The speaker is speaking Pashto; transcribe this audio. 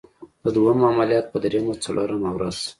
د دوهم عملیات په دریمه څلورمه ورځ.